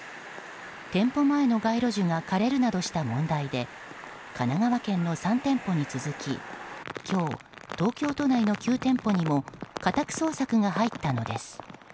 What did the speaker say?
店舗前の街路樹が枯れるなどした問題で神奈川県の３店舗に続き今日、東京都内の９店舗にも家宅捜索が入ったのです。